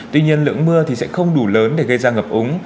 tuy nhiên lượng mưa thì sẽ không đủ lớn để gây ra ngập úng